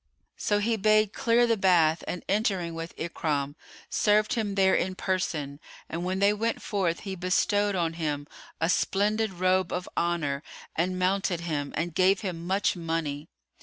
So he bade clear the bath and entering with Ikrimah, served him there in person and when they went forth he bestowed on him a splendid robe of honour and mounted him and gave him much money.